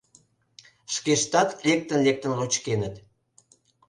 Шкештат лектын-лектын лочкеныт.